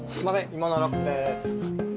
芋のロックです。